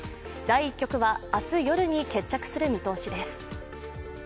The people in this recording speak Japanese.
第１局は明日夜に決着する見通しです。